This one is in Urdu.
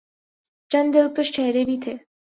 چند دلکش چہرے بھی تھے۔